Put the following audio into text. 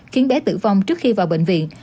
khiến bé tử vong trước khi vào bệnh viện